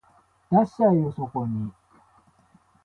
出しちゃえよそこに